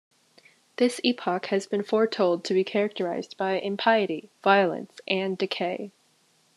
This epoch has been foretold to be characterized by impiety, violence, and decay.